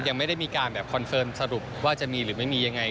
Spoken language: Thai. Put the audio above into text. ยังไม่ได้มีการแบบคอนเฟิร์มสรุปว่าจะมีหรือไม่มียังไง